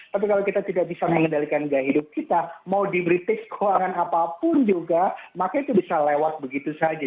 tapi kalau kita tidak bisa mengendalikan gaya hidup kita mau diberitage keuangan apapun juga maka itu bisa lewat begitu saja